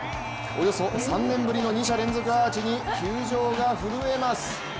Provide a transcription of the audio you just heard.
およそ３年ぶりの２者連続アーチに球場が震えます。